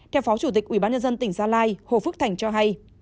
theo phó chủ tịch ubnd tỉnh gia lai hồ phước thành cho hay